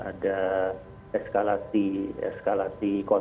jadi saya pikir ini adalah strategi yang harus diperhatikan